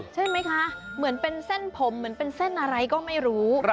ใช่ไหมคะเหมือนเป็นเส้นผมเหมือนเป็นเส้นอะไรก็ไม่รู้